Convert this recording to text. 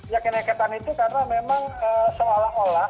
ya kenaikan itu karena memang seolah olah